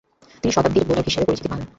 তিনি শতাব্দীর বোলার হিসেবে পরিচিতি পান।